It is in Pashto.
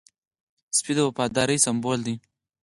سپي د وفادارۍ سمبول دی.